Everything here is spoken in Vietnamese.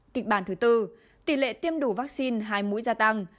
kịch bản thứ tư tỷ lệ tiêm đủ vaccine hai mũi gia tăng